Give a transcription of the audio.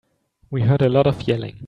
We heard a lot of yelling.